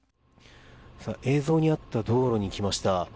映像にあった道路に来ました。